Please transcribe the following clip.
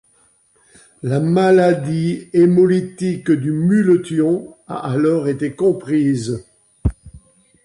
La maladie hémolytique du muletion a alors été comprise.